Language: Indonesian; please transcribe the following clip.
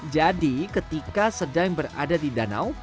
jadi ketika sedang berada di danau